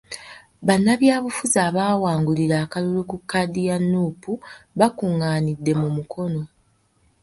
Bannabyabufuzi abaawangulira akalulu ku kkaadi ya Nuupu bakungaanidde mu Mukono.